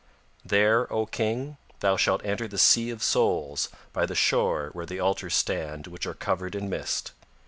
There, O King, thou shalt enter the Sea of Souls by the shore where the altars stand which are covered in mist.